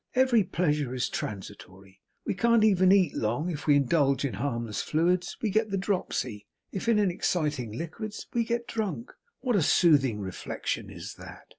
Every pleasure is transitory. We can't even eat, long. If we indulge in harmless fluids, we get the dropsy; if in exciting liquids, we get drunk. What a soothing reflection is that!